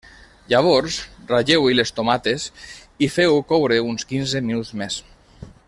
Llavors ratlleu-hi les tomates i feu-ho coure uns quinze minuts més.